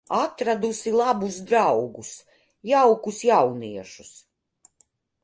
Atradusi labus draugus, jaukus jauniešus.